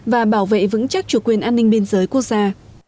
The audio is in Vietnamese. và bảo vệ vững chắc chủ quyền an ninh biên giới quốc gia